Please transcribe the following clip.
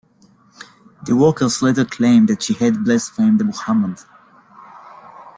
The workers later claimed that she had blasphemed the Muhammed.